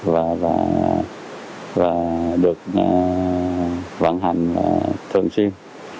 và được vận hành thường xuyên